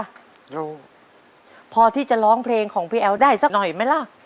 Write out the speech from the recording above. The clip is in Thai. รู้พอที่จะร้องเพลงของพี่แอ๋วได้สักหน่อยไหมล่ะ